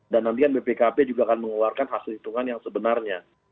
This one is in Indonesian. dan nantikan bpkp juga akan mengeluarkan hasil hitungan yang sebenarnya